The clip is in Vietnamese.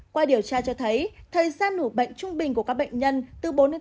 qua điều tra cho thấy thời gian nổ bệnh trung bình của các bệnh nhân từ bốn đến tám giờ